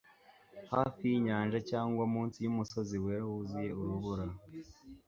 hafi yinyanja, cyangwa munsi yumusozi wera wuzuye urubura